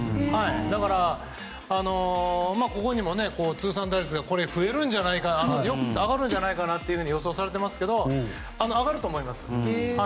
だから、ここにも通算打率が増えるんじゃないか上がるんじゃないかなと予想されていますけど上がると思います。